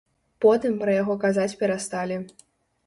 Потым пра яго казаць перасталі.